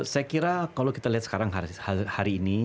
saya kira kalau kita lihat sekarang hari ini